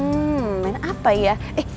hmm main apa ya